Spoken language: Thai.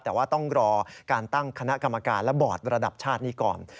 แต่ว่าต้องรอการตั้งคณะกรรมการและบอร์ดระดับชาตินี้ก่อน